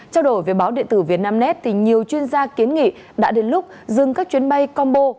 trao đổi về báo điện tử việt nam net thì nhiều chuyên gia kiến nghị đã đến lúc dừng các chuyến bay combo